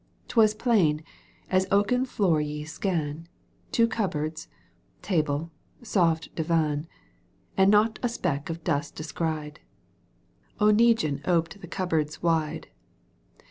'Twas. plain — an oaken floor ye scan. Two cupboards, table, soft divan, And not a speck of dirt descried. Oneguine oped the cupboards wide.